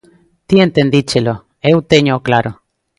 Ti entendíchelo, eu téñoo claro.